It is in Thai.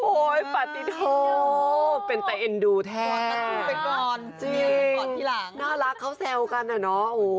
โอ๊ยปะติโถ